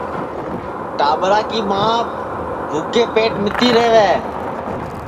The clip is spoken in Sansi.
ٹاٻرا کُی ماں بُھکے پیٹ متی رہوے